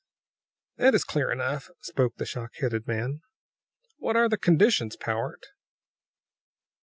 "That is clear enough," spoke the shock headed man. "What are the conditions, Powart?"